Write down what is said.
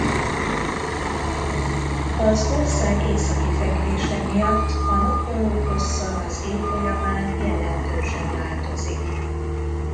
Az ország északi fekvése miatt a nappalok hossza az év folyamán jelentősen változik.